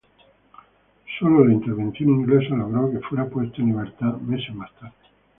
Sólo la intervención inglesa logró que fuera puesto en libertad meses más tarde.